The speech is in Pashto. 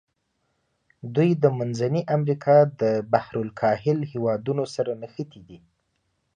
دوی د منځني امریکا د بحر الکاهل هېوادونو سره نښتي دي.